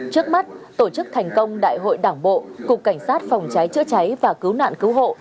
trước mắt tổ chức thành công đại hội đảng bộ cục cảnh sát phòng cháy chữa cháy và cứu nạn cứu hộ